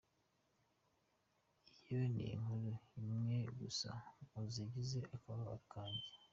Iyo ni inkuru imwe gusa mu zigize akababaro kanjye."